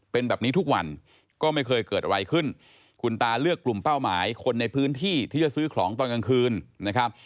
เป็นแบบนี้ทุกวันก็ไม่เคยเกิดอะไรขึ้นคุณตาเลือกกลุ่มเป้าหมายคนในพื้นที่ที่จะซื้อของตอนกลางคืนนะครับ